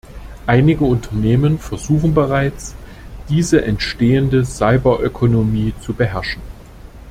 Einige Unternehmen versuchen bereits, diese entstehende Cyberökonomie zu beherrschen.